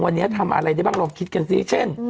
วันนี้ทำอะไรได้บ้างลองคิดกันสิเช่น